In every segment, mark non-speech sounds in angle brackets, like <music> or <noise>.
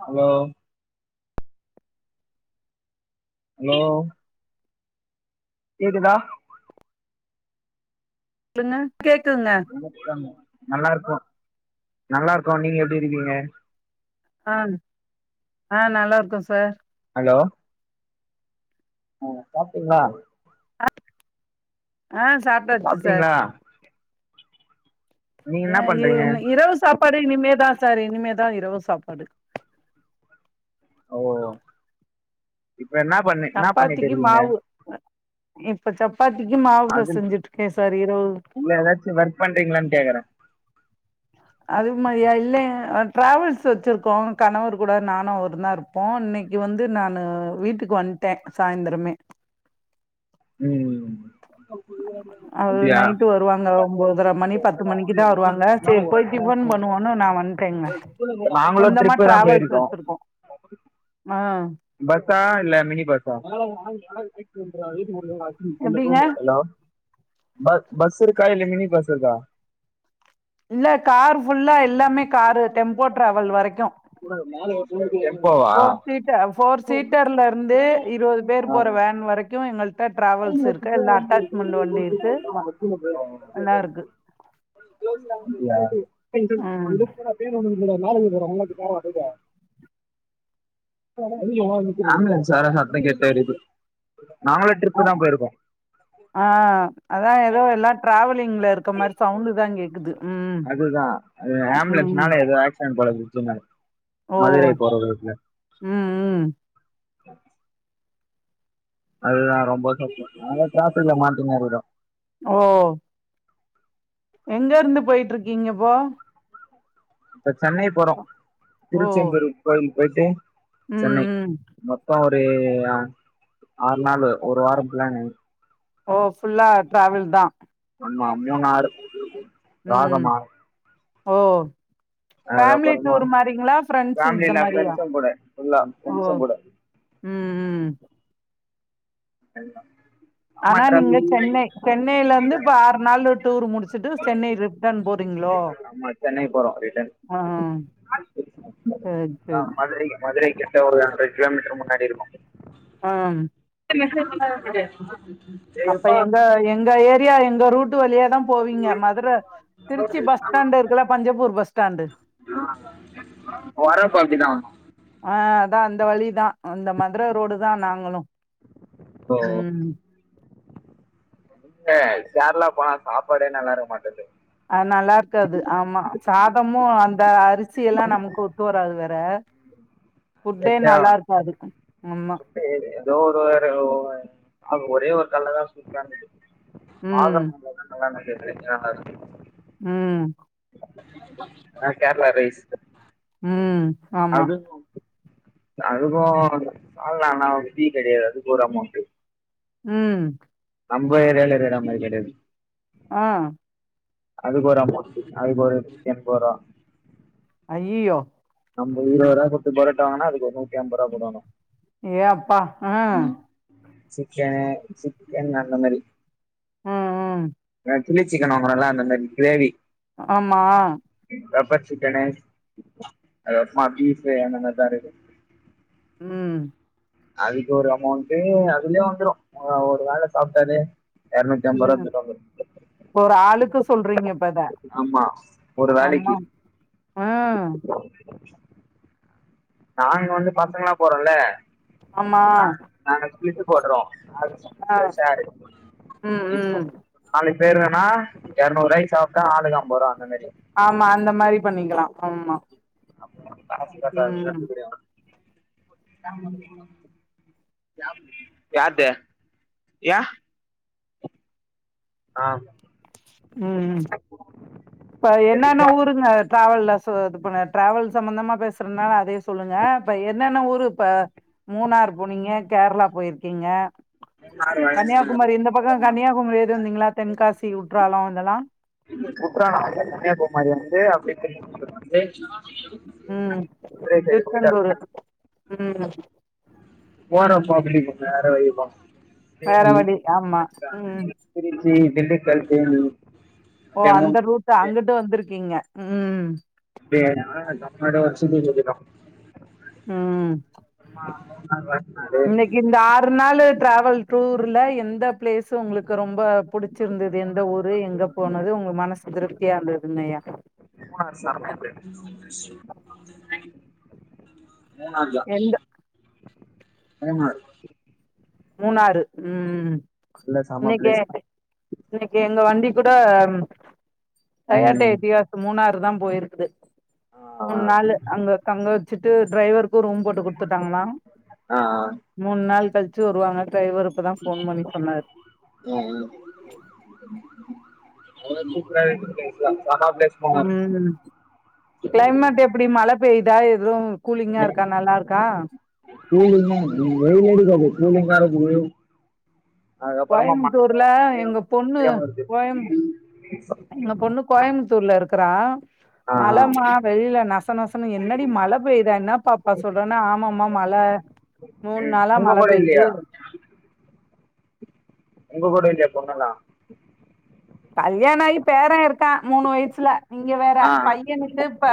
Hello hello எதுடா என்ன வணக்கம் நல்லா இருக்கோ நல்லா இருக்கோ நீங்க எப்டி இருக்கீங்க ஆன் ஆ நல்லா இருக்கோ சார் ஹலோ ஆ சாப்ட்டீங்களா ஆ ஆ சாப்ட்டாச்சு சார் சாப்ட்டீங்களா நீங்க வே என்ன இ பண்றீங்க இரவு சாப் சாப்பாடு இனிமேதா சார் இனிமேதா இரவு சாப்பாடு ஓ இப் சப்பாத்திக்கு மாவு இப்ப சப்பாத்திக்கு மாவு அது பெசஞ்சுட்டு இருக்கே சார் இரவு இல்ல ஏதாச்சு ஒர்க் பண்றீங்களான்னு கேக்குறே அது மாரியா இல்ல ஆ டிராவல்ஸ் வச்சிருக்கோ கணவர் கூட நானு அவரும்தா இருப்போ இன்னைக்கு வந்து நானு வீட்டுக்கு வந்ட்டே சாய்ந்தரமே ம் அது அப்டியா நைட்டு வருவாங்க ஒம்போதர மணி பத்து மணிக்குதா வருவாங்க சேரி டிபன் பண்ணுவோன்னு நா வந்ட்டேங்க நாங்களு சொந்தமா ட்ரிப்பு தா டிராவல்ஸ் போயிருக்கோ வச்சிருக்கோ ஆ பஸ்ஸா இல்ல மினி பஸ்ஸா <unintelligible> எப்டிங்க ஹலோ பஸ் பஸ் இருக்கா இல்ல‌ மினி பஸ் இருக்கா இல்ல கார் ஃபுல்லா எல்லாமே காரு டெம்போ டிராவல் வரைக்கு <unintelligible> ஃபோர் சீட்ட ஃபோர் சீட்டர்ல இருந்து இருபது பேர் போற வேன் வரைக்கு எங்கள்ட <unintelligible> அப்டியா <unintelligible> இருக்கு எல்லாம் இருக்கு ம் அம்புலன்ஷ் சந்தோ கேட்டுகிட்டு இருக்கு நாங்களு ட்ரிப் அஹ ஆஹ் அதா ஏதோ எல்லா டிராவலிங்ல இருக்கற மாரி சவுண்டு தா கேக்குது ம் அதுதான் அது ம் ஆம்புலன்ஸ்னால ஏதோ ஆக்சிடென்ட் போல பிரச்சனை ஓ மதுரை போற ரூட்ல ம் ம் அதுதா ரொம்ப சப்போட் நாங்க டிராஃபிக்ல மாட்டின்னுருக்கோம் ஓ எங்கருந்து போயிட்ருக்கீங்க இப்போ இப்ப சென்னை போறோ ஓ திருச்செந்தூரு கோயில் போயிட்டு ம் சென்னை ம் மொத்தோ டு ஒரு ஆறு நாள் ஒரு வாரம் பிளானு ஓ ஃபுல்லா டிராவல்தா ஆமா மூணார் ம் ராகமா ஓ அது ஃபேமிலி அப்பறமா டூர் மாரிங்களா ஃப்ரெண்ட்ஸ் ஃபேமிலி இந்த இல்ல மாரியா ஃப்ரெண்ட்ஸுங் கூட ஃபுல்லா ஓ ஃப்ரெண்ட்ஸுங் கூட ம் ம் அம்மா ஆனா நீங்க டிராபிக் சென்னை சென்னையிலிருந்து இப்ப ஆறு நாளு டூர் முடிச்சுட்டு சென்னை ரிட்டன் போறீங்களோ ஆமா சென்னை போறோம் ரிட்டர்ன் ஆ சேரி சேரி என்ன ஒரு ஹண்ட்ரட் கிலோமீட்டர் முன்னாடி இருக்கோ ஆ <unintelligible> அப்ப எங்க எங்க ஏ ரியா எங்க ரூட்டு வழியாதா போவீங்க மதுரை திருச்சி பஸ் ஸ்டாண்ட் இருக்குல பஞ்சப்பூர் பஸ் ஸ்டாண்டு வர இப்ப அங்கதா ஆ அதா அந்த வழிதா அந்த மதுர ரோடு தான் நாங்களும் ம் எங்க கேரளா போனா சாப்பாடே நல்லா இருக்க மாட்டேது அது நல்லா இருக்காது ஆமா சாதமும் அந்த அரிசி எல்லா நமக்கு ஒத்து வராது வேற <unintelligible> ஃபுட்டே நல்லா இருக்காது ஆமா ஃபுட்டு ஏதோ ஒரு ஒரு ஒரே ஒரு கட்லதா சூப்பரா இருந்துச்சு ம் ஆகஸ்ட் மந்த்லதா கல்யாண ஆயி <unintelligible> ம் நா கேரளா ரைஸ் ம் ஆமா அது அதுக்கு சால்னாலா டி கெடையாது அதுக்கு ஒரு அமௌண்ட்டு உம் நம்ப ஏரியால இருக்கற மாரி கெடையாது ஆஹ் அதுக்கு ஒரு அமௌன்ட்டு அதுக்கு ஒரு டென் வரு ஐயயோ நம்ப இருபது ரூபா குடுத்து புரோட்டா வாங்குனா அதுக்கு ஒரு நூத்தி அம்பதுர்வா போடணு ஏ அப்பா உம் சிக்கன் சிக்கன் அந்த மாரி உம் உம் சில்லி சிக்கன் வாங்றோல அந்த மாரி கிரேவி ஆமா பெப்பர் சிக்கன்னு பீப்பு அந்த மாரி தா இருக்கு உம் அதுக்கு ஒரு அமௌண்ட்டு அதுலயே வந்துரு ஒரு வேள சாப்ட்டாலே எரநூத்தி ஐம்பது ரூபா உம் கிட்ட வந்துரு ஒரு ஆளுக்கு சொல்றீங்க அப்ப அத ஆமா ஒரு ஆமா வேளைக்கு ம் நாங்க வந்து பசங்களா போறோல ஆமா <unintelligible> பாக்குறோ ஆ ச் ஆ செரி சாரி ம் ம் இப்ப <inaudible> பேரு வேணா எறநூறுவாய்க்கு சாப்ட்டா ஆளுக்கு ஐம்பதுர்வா ஆமா அந்த மாரி பண்ணிக்கலா ஆமா அப்றோ ம் <inaudible> யார்து யா ஆம் உம் இப்ப என்னன்னா ஊருங்க ட்ராவெல்ல ஷோ இது பண்ண ட்ராவெல்ஸ் சம்பந்தமா பேசுறதுனால அதே சொல்லுங்க இப்ப என்னென்னா ஊரு இப்ப மூணார் போனீங்க கேர்ளா பொய்ருக்கீங்க கன்னியாகுமாரி இந்த பக்க கன்னியாகுமரி இருந்துவந்தீங்ளா தென்காசி றாலோ இதுலா குற்றாலம் வந்து கன்னியாகுமாரி வந்து அப்டி <inaudible> வந்து உம் குதிரை சைடு போயிட்டா திருச்செந்தூரு உம் போறப்போ அப்டி நேரா <inaudible> வேற வழி ஆமா உம் உம் திண்டுக்கல் தேனி ஓ டெமோ அந்த ரூட்டு அங்குட் டு வந்திருக்கீங்க உம் ம் அப்டியே தா <unintelligible> அப்பறமா ம் மூணு நாள் வர சொன்னாரு நாலு டிராவல் டூர்ல எந்த பிளேஸ்சு உங்களுக்கு ரொம் ப புடிச்சிருந்தது எந்த ஊரு எங்க போனது உங்க மனசு திருப்தியா இருந்ததுங்க ஐயா <inaudible> மூனாஞ்சா எந்த மூணார் மூணாறு உம் நல்ல செம இன்னைக்கு பிளேஸ் இன்னைக்கு எங்க வண்டி கூட டொயோட்ட ம் எத்தியாஷ் மூணாரு தா போயிருக்குது மூண் செம நாள்ளு அங்க தங்க வச்சுட் டு டிரைவர் ரூம் போட்டு குடுத்துட்டாங்களா மூணு நாள் கழி ச்சுவருவாங்க டைவருக்குதா போன் பண்ணி சொன்னாரு மொத சூப்பரா இருக்கு <unintelligible> உம் கிளைமேட் எப்படி மழ பேய்தா எய்து <unintelligible> கூலிங்கா இருக்கு வெயில் அடிக்காது கூலிங்கா <unintelligible> அதுக்கப்புறமா மழையு கோயமுத்தூர்ல எங்க பொண்ணு மழையாவு வருது கோயம் எங்க பொண்ணு கோயம்புத்தூர்ல இருக்குறா ஆ ஆ மழைமா வெளியில நச நசன என்னடி மழை பெயுதா என்ன பாப்பா சொல்றேன்னா ஆமமா மழ மூணு நாளா உங்க மழை கூட பெய்யுது இல்லையா உங்க கூட இல்லையா பொண்ணுலா கல்யாணம் ஆகி பேர இருக்கா மூணு வயசுல நீங்க வேற ஆ பையனுக்கு இப்ப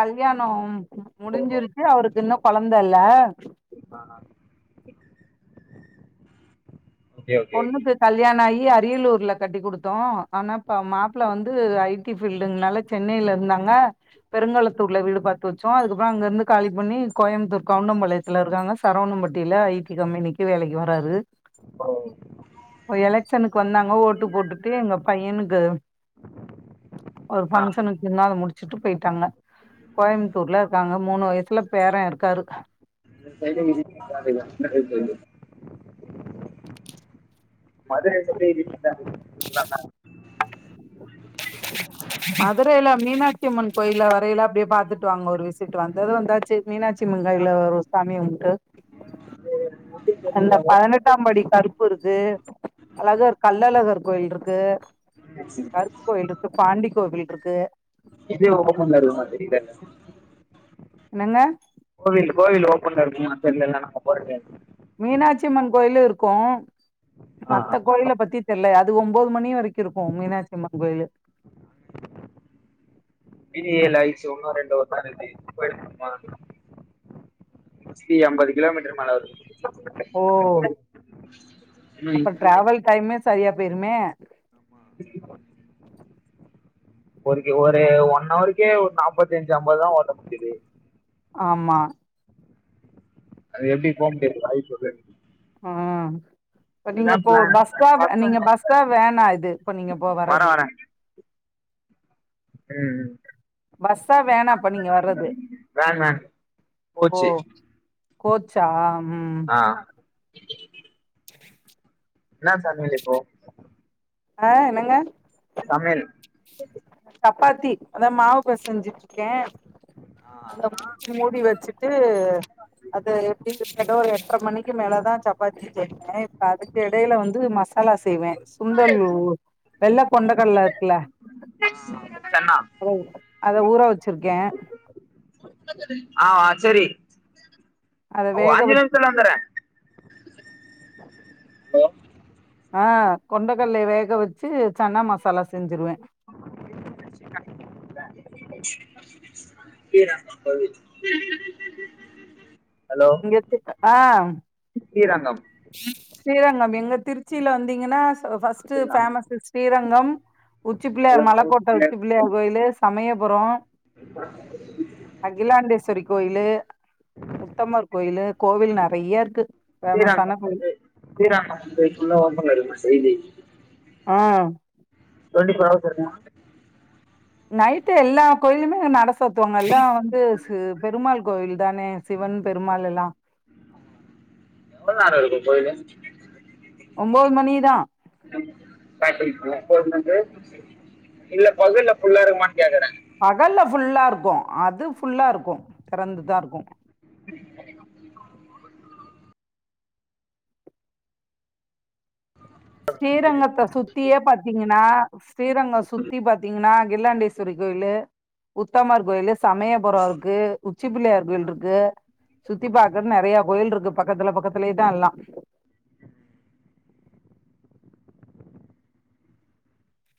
கல்யாணோ ணம் முடிஞ்சிருச்சு அவருக்கு இன்னு கொழந்தயில்ல ஆ ஓகே ஓகே ஓகே பொண்ணுக்கு கல்யாண ஆயி அரியலூர்ல கட்டி கொடுத்தோ ஆனா இப்ப மாப்ள வந்து ஐ டி ஃபீல்டுங்கனால சென்னைல இருந்தாங்க பெருங்கலத்தூர்ல வீடு பாத்து வெச்சோ அதுக்கப்புற அங்கருந்து காலி பண்ணி கோயம்பத்தூர் கவுண்டம்பாளையத்துல இருக்காங்க சரவணம்பட்டியில ஐ டி கம்பெனிக்கு வேலைக்கு வராரு இப்ப எலக்ஷனுக்கு வந்தாங்க ஓட்டு போட்டுட்டு எங்க பையனுக்கு ஒரு ஆ பங்க்ஷனுக்குன்னா அத முடிச் சுட்டு போயிட்டாங்க கோயம்புத்தூர்ல இருக்காங்க மூணு வயசுல பேர இருக்காரு <unintelligible> மதுரை <unintelligible> மதுரையில மீனாட்சிம்மன் கோயில்ல வறைல அப்படியே பாத்துட்டு வாங்க ஒரு விசிட்டு வந்தது வந்தாச் மீனாட்சியம்மன் காயில்ல ஒரு சாமிய கும்ட்டு அந்த பதினெட்டாம் படி கருப்புருக்கு அழகர் கல்லழகர் கோயில்ருக்கு கருப்பு கோயில்ருக்கு பாண்டி கோவில் ருக்கு <unintelligible> என்னங்க கோவில் கோவில் ஓப்பன்ல இருக்குமா தெரியிலலா நாங்க போறக்கு மீனாட்சிம்மன் கோயிலு இருக்கு ஆ மத்த கோயில பத்தி தெரில யா து ஒம்போது மணி வரைக் கிருக்கு மீனாட்சியம்மன் கோயிலு ஒன்னோ ரெண்டோ மேரெஜ்ஜு போயிருப்போமா சுத்தி ஐம்பது கிலோமீட்டர் மேல வருது ஓ ம் அப்பற டிராவல் டைமே சரியா போயிருமே ஆமா ஒரு ஒரு ஒன்னவருக்கே ஒரு நாப்பத்தி அஞ்சு ஐம்பதுதா ஓட்ட முடியுது ஆம்மா அது எப்படி போ முடியாது வாய்ப்பு கம்மி ஆஹ் இப்ப நீங்க போ பஸ்ஸா நீங்க வரேன் பஸ்ஸா வேனா இது இப்ப நீங்க போ வர்றது உம் ம் பஸ்ஸா வேனாப்பா நீங்க வர்றது வேன் வேன் ஓ போச்சு கோச்சா ஹ்ம் ஆ என்னா சமயலிப்போ ஆஹ் என்னங்க சமையல் சப்பாத்தி அதா மாவு பெசெஞ்சுட்டு க்கே அத மூடி வச்சுட்டு அது எப்டி <unintelligible> எட்ற மணிக்கு மேல தா சப்பாத்தி செய்வே இப்போ அதுக்கு எடையில வந்து மசாலா செய்வே சுண்டல் ஊ வெள்ள கொண்டக்கடல இருக்குல சென்னா ஹலோ அத ஊற வச்சிருக்கே ஆஹ் வா சரி அத ஓ வேக ஆஞ்சு நிமிஷத்துல வச்சுட்டு வந்துறே ஹலோ ஆஹ் கொண்டக்கல்லைய வேக வச்சி சன்னா மசா <inaudible> கங்கமா ப இங்க எடுதுட்டு ஆஹ் ஸ்ரீரங்கம் ஸ்ரீரங்கம் எங்க திருச்சியில வந்தீங்கன்னா ஃபர்ஸ்ட்டு அதுதான் பேமஸு ஸ்ரீரங்கம் உச்சிப்பிள்ளையார் மலக்கோட்ட உச்சி அதுக்கப்புறம் பிள்ளையார் கோயிலு சமய அப்றோ அகிலாண்டேஸ்வரி கோயிலு முத்தமர் கோயிலு கோவில் நெறையாருக்கு ஃபேமஸ் ஸ்ரீரங்கம் வந்து <unintelligible> ஆஹ் டொன்டி போர் ஹவர்ஸ் இருக்குமா நைட்டு எல்லா கோயிலுமே நட சாத்துவாங்கலா வந்து ஸூ பெருமாள் கோயிலு தானே சிவன் பெருமாள் எல்லா எவ்ளோ நேரோ இருக்கு கோயிலு ஒன்போது மணி தா இல்ல பகல்ல ஃபுல்லா இருக்குமானு கேக்குறே பகல்ல ஃபுல்லா இருக்கு அது ஃபுல்லா இருக்கு திறந்துதா இருக்கு ஸ்ரீரங்கத்த சுத்தியே பாத்தீங்கன்னா ஸ்ரீரங்கம் சுத்தி பாத்தீங்கன்னா அகிலாண்டேஸ்வரி கோயிலு உத்தமர் கோயிலு சமயபுறோ இருக்கு உச்சி பிள்ளையார் கோயிலு இருக்கு சுத்தி பாக்கன்னு நெறையா கோயில்ருக்கு பக்கத்துல பக்கத்துலயேதா எல்லா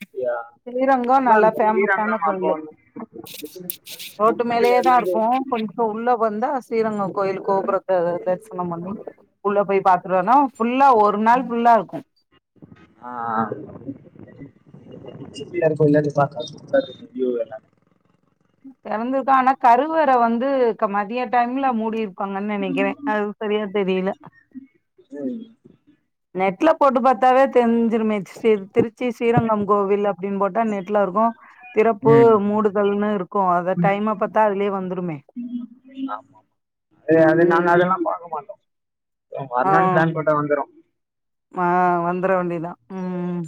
அப்படியா? ஸ்ரீரங்கம் நல்லா இருக்கும் பேமஸான ஸ்ரீரங்கம் அப்போ கோயிலு வந்து ரோட்டு மேலேயே உச்சிப்பிள்ளையார்ல தா இருந்து இருக்கு கொஞ்ஜோ உள்ள வந்தா ஸ்ரீரங்கம் கோயில் கோபுரத்த தரிசனம் பண்ணி உள்ள போய் பாத்துட்டுவேனா ஃபுல்லா ஒரு நாள் ஃபுல்லா இருக்கும் ஆஹ் உச்சி பிள்ளையார் கோவில்ல இருந்து பாக்க சூப்பரா இருக்கு வீயுவ் எல்லா தெறந்துதா ஆனா கருவற வந்து மதியா டைம்ல மூடிருப்பாங்கன்னு நெனைக்கிறே அது சரியா தெரியில நெட்ல போட்டு பாத்தாவே தெரிஞ்சிருமே ஸ்ரீ திருச்சி ஸ்ரீரங்கம் கோவில் அப்டின்னு போட்டா நெட்ல இருக்கு திறப்பு ம். மூடுதல்னு இருக்கு அத டைம பாத்தா அதுலயே வந்துருமே அது உம் வர்லான்னு பிளான் போட்டா வந்துரு ஆஹ் வந்துர வேண்டிதா உம்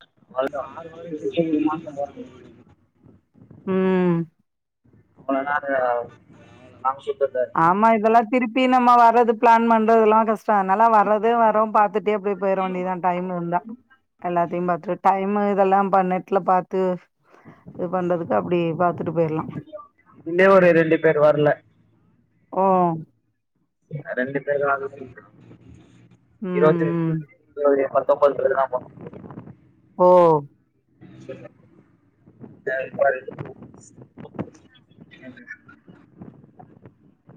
<inaudible> உம் அவ்ள நரு நாம் சொ ஆமா இதெல்லா திருப்பி நம்ம வர்ரது பிளான் பண்றதுல்லா கஷ்டம் நல்லா வரறது வரு பாத்துட்டே அப்டியே போயிட வேண்டிதா டைம் இருந்தா எல்லாத்தையு பத்து டைம் இதெல்லா நெட்ல பாத்து இது பண்றதுக்கு அப்டி பாத்துட்டு போயிரலா இதுலயே ஒரு ரெண்டு பேர் வரல ம் ரெண்டு பேரு ஆக்கணு ம் இருவத்தி ம் <unintelligible> ப்ப <unintelligible> ஓம் <unintelligible>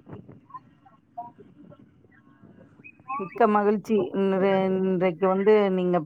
<unintelligible> மிக்க மகிழ்ச்சி இன்ற இன்றைக்கு வந்து நீங்கப்